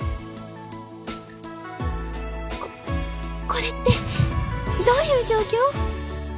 ここれってどういう状況？